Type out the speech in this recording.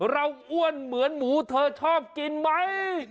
อ้วนเหมือนหมูเธอชอบกินไหม